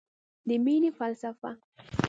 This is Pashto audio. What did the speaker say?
د مینې فلسفه